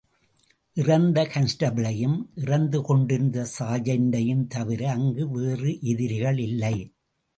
இறந்த கான்ஸ்டபிளையும் இறந்து கொண்டிருந்த சார்ஜென்டையும் தவிர அங்கு வேறு எதிரிகள் இல்லை.